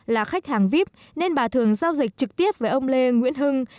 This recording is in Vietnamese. là khách hàng vip nên bà thường giao dịch trực tiếp với ông lê nguyễn hưng